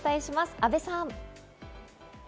阿部さん。